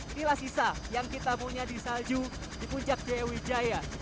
inilah sisa yang kita punya di salju di puncak jaya wijaya